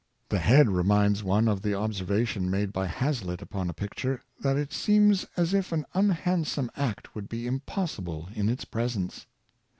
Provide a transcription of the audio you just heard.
The head reminds one of the observation made by Haz Htt upon a picture, that it seems as if an unhandsome act would be impossible in its presence.